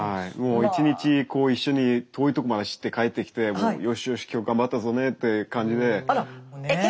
一日一緒に遠いとこまで走って帰ってきてよしよし今日頑張ったぞねって感じで。